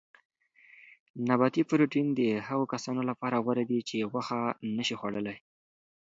نباتي پروټین د هغو کسانو لپاره غوره دی چې غوښه نه شي خوړلای.